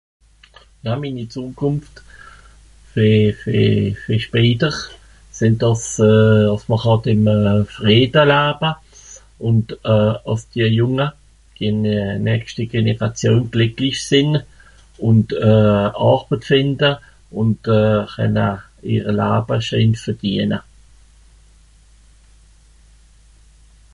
Na minni (...), fer... fer... fer später, sìnn, dàss euh... àss mr hàt ìm Frìda Labba, und euh... àss dia Jùnga, die nägschti Generàtion glìcklich sìnn ùnd euh... (...) fìnda, ùnd chenna ìhr Labba scheen verdiana.